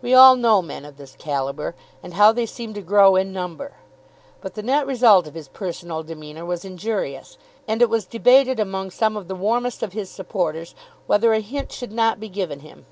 We all know men of this calibre, and how they seem to grow in number. But the net result of his personal demeanour was injurious; and it was debated among some of the warmest of his supporters whether a hint should not be given him.